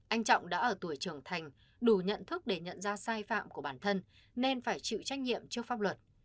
anh trọng đã ở tuổi trưởng thành đủ nhận thức để nhận ra sai phạm của bản thân nên phải chịu trách nhiệm trước pháp luật